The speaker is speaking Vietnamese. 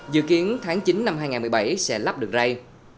dự kiến tháng chín năm hai nghìn một mươi bảy sẽ lắp được rây